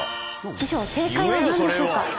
師匠正解は何でしょうか？